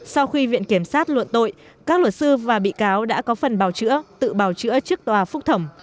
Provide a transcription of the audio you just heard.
sau khi viện kiểm sát luận tội các luật sư và bị cáo đã có phần bảo chữa tự bào chữa trước tòa phúc thẩm